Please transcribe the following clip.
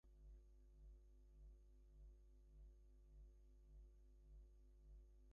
Stamp's mother, Olive Jessie Stamp, Baroness Stamp, was killed by the same bomb.